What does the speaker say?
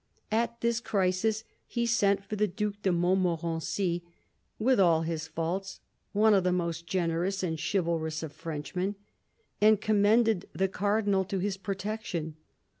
At this crisis he sent for the Due de Montmorency — with all his faults, one of the most generous and chivalrous of Frenchmen — and commended the Cardinal to his protection.